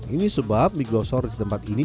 ini sebab mie glosor di tempat ini